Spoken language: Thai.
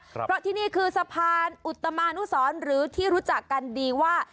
เพราะที่นี่คือสะพานอุตมานุสรหรือที่รู้จักกันดีว่า